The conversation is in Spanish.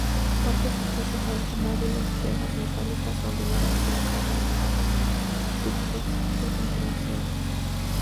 Partes y piezas de automóviles, Tejas metálicas onduladas y acanaladas, Ductos de ventilación.